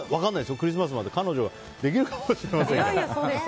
クリスマスまで彼女できるかもしれません。